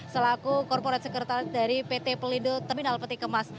selaku korporat sekretaris dari pt pelindung terminal peti kemas